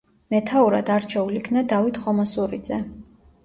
მეთაურად არჩეულ იქნა დავით ხომასურიძე.